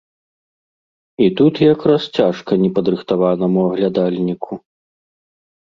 І тут якраз цяжка непадрыхтаванаму аглядальніку.